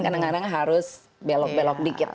kadang kadang harus belok belok dikit